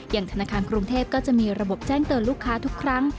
ธนาคารกรุงเทพก็จะมีระบบแจ้งเตือนลูกค้าทุกครั้ง